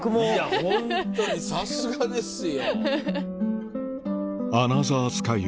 ホントにさすがですよ。